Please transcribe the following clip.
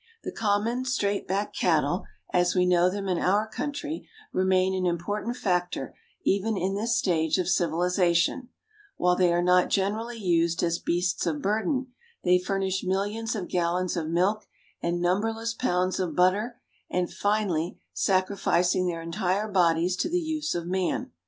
The common straight backed cattle, as we know them in our country, remain an important factor even in this stage of civilization; while they are not generally used as beasts of burden, they furnish millions of gallons of milk and numberless pounds of butter, and finally sacrificing their entire bodies to the use of man.